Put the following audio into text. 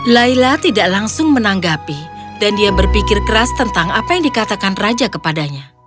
laila tidak langsung menanggapi dan dia berpikir keras tentang apa yang dikatakan raja kepadanya